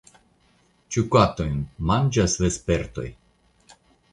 Ĉu katojn manĝas vespertoj?